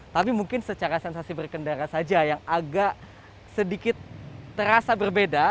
tapi mungkin secara sensasi berkendara saja yang agak sedikit terasa berbeda